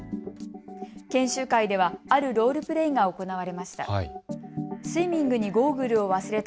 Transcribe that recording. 研修会では、あるロールプレーが行われました。